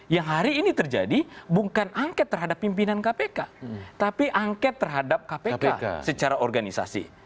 yang hari ini terjadi bukan angket terhadap pimpinan kpk tapi angket terhadap kpk secara organisasi